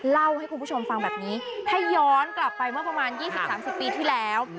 เล่าให้คุณผู้ชมฟังแบบนี้ให้ย้อนกลับไปเมื่อประมาณ๒๐๓๐ปีที่แล้ว